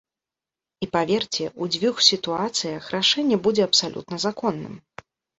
І паверце, у дзвюх сітуацыях рашэнне будзе абсалютна законным.